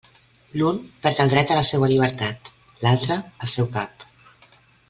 L'un perd el dret a la seua llibertat, l'altre al seu cap.